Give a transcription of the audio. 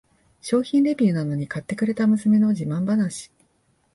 商品レビューなのに買ってくれた娘の自慢話